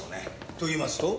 といいますと？